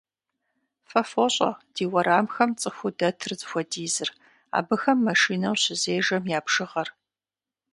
Фэ фощӀэ ди уэрамхэм цӀыхуу дэтыр зыхуэдизыр, абыхэм машинэу щызежэм я бжыгъэр.